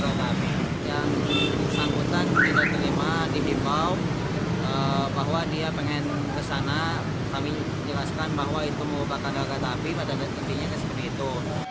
sangkutan kita terima di default bahwa dia pengen kesana kami jelaskan bahwa itu bakal ada kereta api pada ketinggiannya seperti itu